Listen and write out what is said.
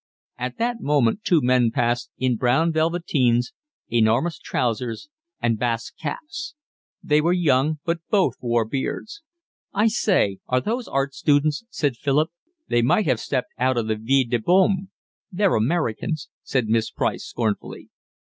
At that moment two men passed, in brown velveteens, enormous trousers, and basque caps. They were young, but both wore beards. "I say, are those art students?" said Philip. "They might have stepped out of the Vie de Boheme." "They're Americans," said Miss Price scornfully.